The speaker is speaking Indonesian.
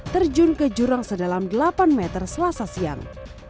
terjun ke jurang sedalam delapan meter selasa siang